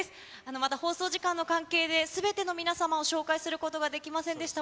また放送時間の関係で、すべての皆様を紹介することができませんでした。